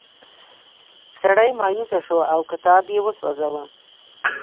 سړی مایوسه شو او کتاب یې وسوځاوه.